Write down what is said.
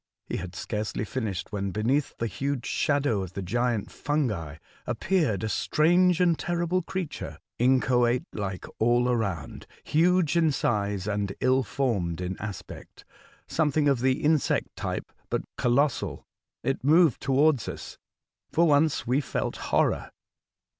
He had scarcely finished, when beneath the huge shadow of the giant fungi appeared a strange and terrible creature — inchoate like all around, huge in size and ill formed in aspect, — something of the insect type, but colossal. It moved towards us. For once we felt horror.